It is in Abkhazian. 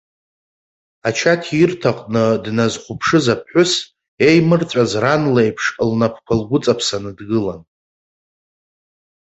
Ачаҭирҭаҟны дназхьыԥшыз аԥҳәыс, иеимырҵәаз ран леиԥш лнапқәа лгәыҵаԥсаны дгылан.